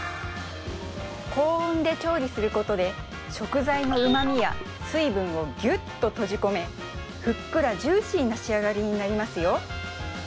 高温で調理することで食材のうまみや水分をギュッと閉じ込めふっくらジューシーな仕上がりになりますよ